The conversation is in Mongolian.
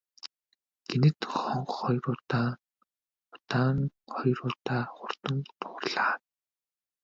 Гэнэт хонх хоёр удаа удаан, хоёр удаа хурдан дуугарлаа.